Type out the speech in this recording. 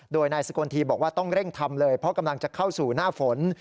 โดยนายสกลทีบอกว่าต้องเร่งทำเลยเพราะกำลังจะเข้าสู่หน้าฝน